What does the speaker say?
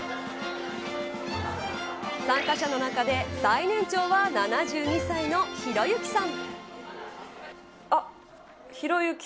参加者の中で最年長は７２歳のヒロユキさん。